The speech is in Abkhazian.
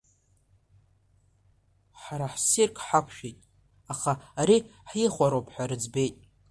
Ҳара ссирк ҳақәшәеит, аха ари ҳихәароуп ҳәа рыӡбеит.